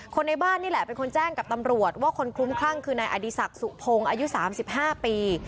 ในบ้านนี่แหละเป็นคนแจ้งกับตำรวจว่าคนคลุ้มคลั่งคือนายอดีศักดิ์สุพงศ์อายุ๓๕ปี